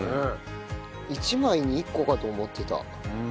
１枚に１個かと思ってた。